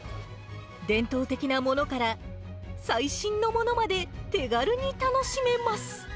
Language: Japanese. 伝統的なものから、最新のものまで手軽に楽しめます。